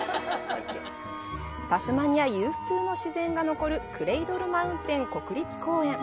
タスマニア有数の自然が残るクレイドルマウンテン国立公園。